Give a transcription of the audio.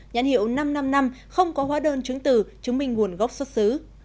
nhãn hiệu năm trăm năm mươi năm không có hóa đơn chứng từ chứng minh nguồn gốc xuất xứ